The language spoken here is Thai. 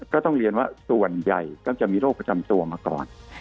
ก็ต้องเรียนว่าส่วนใหญ่ก็จะมีโรคประจำตัวมาก่อน